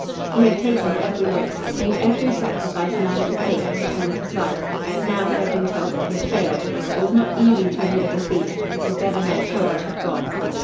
He had taken every risk, made every sacrifice man could make, to turn it aside. Now he had been told that he had failed. It was not easy to admit defeat. His debonair courage had gone.